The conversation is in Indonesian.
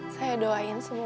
saya doain sama ibu